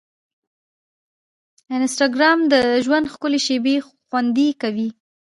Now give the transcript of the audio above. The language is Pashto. انسټاګرام د ژوند ښکلي شېبې خوندي کوي.